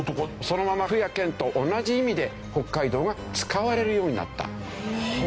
そのまま府や県と同じ意味で北海道が使われるようになったという。